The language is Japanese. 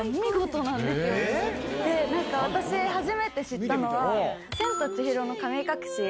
私初めて知ったのは。